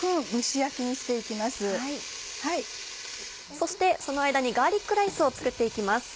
そしてその間にガーリックライスを作って行きます。